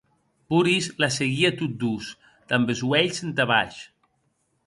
Boris la seguie tot doç, damb es uelhs entà baish.